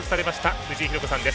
藤井寛子さんです。